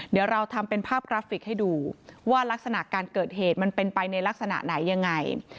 เดี๋ยวเราทำเป็นภาพกราฟิกให้ดูว่ารักษณะการเกิดเหตุมันเป็นไปในลักษณะไหนยังไง